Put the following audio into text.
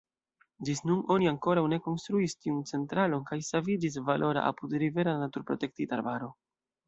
Ĝis nun oni ankoraŭ ne konstruis tiun centralon, kaj saviĝis valora apudrivera naturprotektita arbaro.